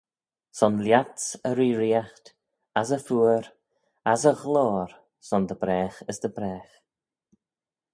Son lhiats y reeriaght, as y phooar, as y ghloyr, son dy bragh as dy bragh.